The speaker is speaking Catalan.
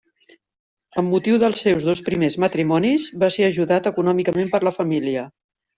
Amb motiu dels seus dos primers matrimonis va ser ajudat econòmicament per la família.